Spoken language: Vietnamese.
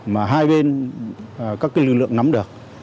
mà hai bên các lực lượng nắm được